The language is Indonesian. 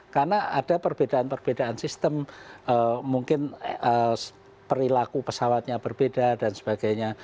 karena ada perbedaan perbedaan sistem mungkin perilaku pesawatnya berbeda dan sebagainya